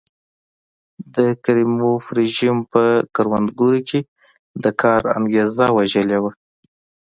د کریموف رژیم په کروندګرو کې د کار انګېزه وژلې وه.